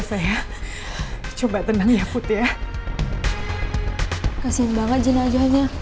sampai jumpa di video selanjutnya